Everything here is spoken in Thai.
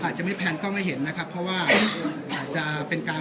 อาจจะไม่แพนกล้องให้เห็นนะครับเพราะว่าอาจจะเป็นการ